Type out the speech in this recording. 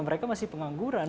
mereka masih pengangguran